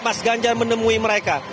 mas ganjar menemui mereka